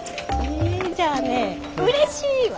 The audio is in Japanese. じゃあね「うれしい」は？